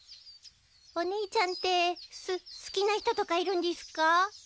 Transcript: おねいちゃんってす好きな人とかいるんでぃすか？